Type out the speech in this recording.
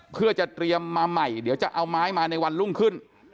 เพื่อจะเตรียมมาใหม่เดี๋ยวจะเอาไม้มาในวันรุ่งขึ้น